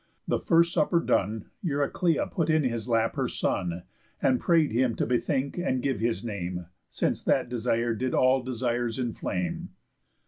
The first supper done, Euryclea put in his lap her son, And pray'd him to bethink and give his name, Since that desire did all desires inflame.